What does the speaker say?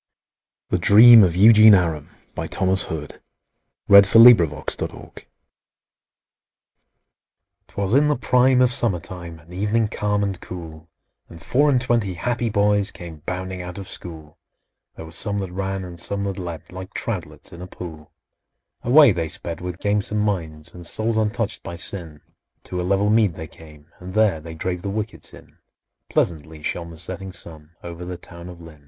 p | file info or download) 26328The Dream of Eugene Aramby Thomas Hood 'Twas in the prime of summer time An evening calm and cool, And four and twenty happy boys Came bounding out of school: There were some that ran and some that leapt, Like troutlets in a pool. Away they sped with gamesome minds, And souls untouched by sin; To a level mead they came, and there They drave the wickets in: Pleasantly shone the setting sun Over the town of Lynn.